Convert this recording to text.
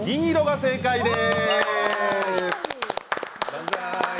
正解です。